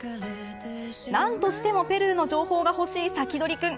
何としてもペルーの情報が欲しいサキドリくん。